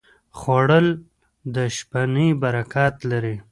خوړل د شپهنۍ برکت لري